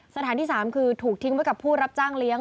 สถานที่๓คือถูกทิ้งไว้กับผู้รับจ้างเลี้ยง